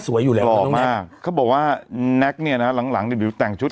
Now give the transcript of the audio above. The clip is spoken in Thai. อยู่แล้วหล่อมากเขาบอกว่าแน็กเนี่ยนะฮะหลังหลังเนี่ยดิวแต่งชุด